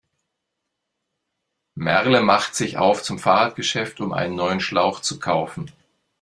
Merle macht sich auf zum Fahrradgeschäft, um einen neuen Schlauch zu kaufen.